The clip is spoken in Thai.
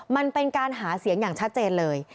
มันเป็นการหาเสียงอย่างชัดเจนเลย